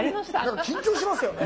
緊張しますよね。